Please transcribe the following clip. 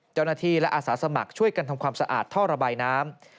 เจ้าหน้าที่และอาสาสมัครช่วยกันทำความสะอาดท่อระบายน้ำ